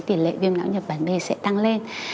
tỷ lệ viêm não nhật bản d sẽ tăng lên